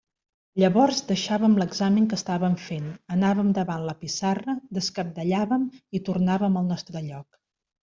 Llavors deixàvem l'examen que estàvem fent, anàvem davant la pissarra, descabdellàvem, i tornàvem al nostre lloc.